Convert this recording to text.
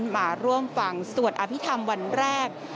มาร่วมฟังสวดอภิษฐรรมวันแรก